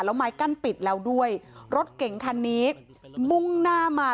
แล้วไม้กั้นปิดแล้วด้วยรถเก่งคันนี้มุ่งหน้ามา